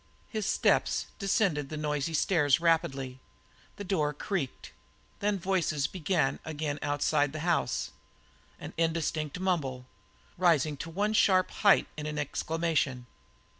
His steps descended the noisy stairs rapidly; the door creaked. Then voices began again outside the house, an indistinct mumble, rising to one sharp height in an exclamation.